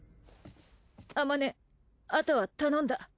あまねあとは頼んだ。